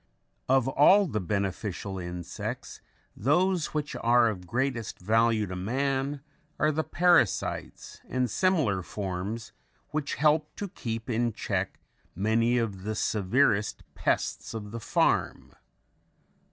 Of all the beneficial insects those which are of greatest value to man are the parasites and similar forms which help to keep in check many of the severest pests of the farm.